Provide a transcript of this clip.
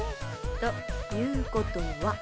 ということは。